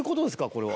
これは。